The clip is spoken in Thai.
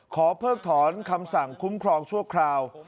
เพิกถอนคำสั่งคุ้มครองชั่วคราว